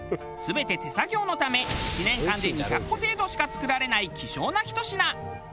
全て手作業のため１年間で２００個程度しか作られない希少なひと品。